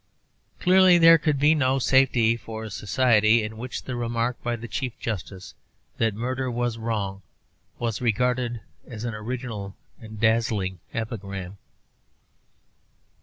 Clearly, there could be no safety for a society in which the remark by the Chief Justice that murder was wrong was regarded as an original and dazzling epigram.